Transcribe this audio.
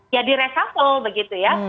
ya diresafel begitu ya